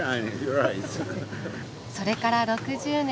それから６０年